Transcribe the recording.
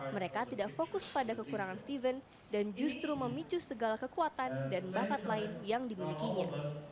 mereka tidak fokus pada kekurangan steven dan justru memicu segala kekuatan dan bakat lain yang dimilikinya